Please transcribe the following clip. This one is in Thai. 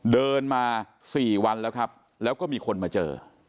เดินมา๔วันแล้วครับแล้วก็มีคนมาเจอ